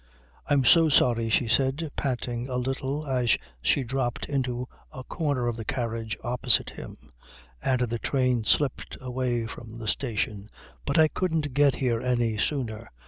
"I'm so sorry," she said, panting a little as she dropped into a corner of the carriage opposite him and the train slipped away from the station, "but I couldn't get here any sooner."